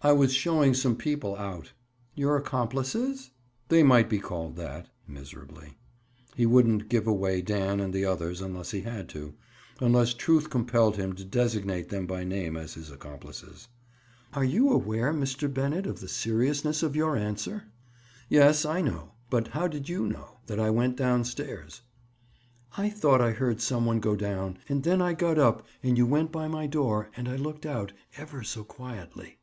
"I was showing some people out." "Your accomplices?" "They might be called that." Miserably. He wouldn't "give away" Dan and the others, unless he had to—unless truth compelled him to designate them by name as his accomplices. "Are you aware, Mr. Bennett, of the seriousness of your answer?" "Yes, I know. But how did you know—that I went down stairs?" "I thought I heard some one go down. And then I got up and you went by my door, and I looked out, ever so quietly.